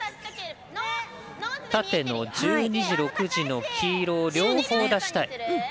縦の１２時、６時の黄色を両方、出したい。